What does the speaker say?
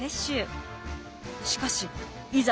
しかしいざ